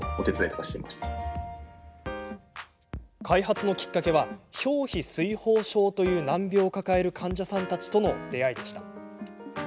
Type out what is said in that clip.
開発のきっかけは表皮水ほう症という難病を抱える患者さんたちとの出会いでした。